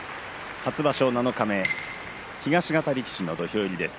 初場所七日目東方力士の土俵入りです。